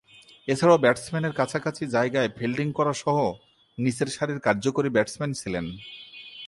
এছাড়াও ব্যাটসম্যানের কাছাকাছি জায়গায় ফিল্ডিং করাসহ নিচেরসারির কার্যকরী ব্যাটসম্যান ছিলেন।